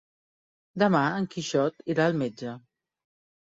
Demà en Quixot irà al metge.